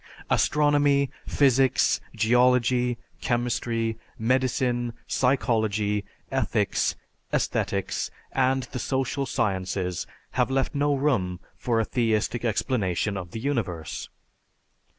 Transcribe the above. Astronomy, physics, geology, chemistry, medicine, psychology, ethics, aesthetics, and the social sciences have left no room for a theistic explanation of the universe.